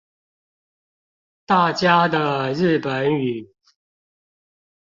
大家的日本語